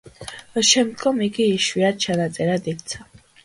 შემდგომ იგი იშვიათ ჩანაწერად იქცა.